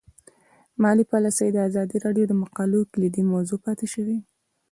مالي پالیسي د ازادي راډیو د مقالو کلیدي موضوع پاتې شوی.